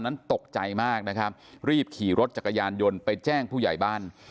นั้นตกใจมากนะครับรีบขี่รถจักรยานยนต์ไปแจ้งผู้ใหญ่บ้าน